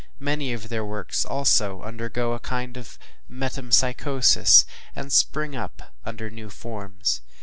Many of their works, also, undergo a kind of metempsychosis, and spring up under new forms.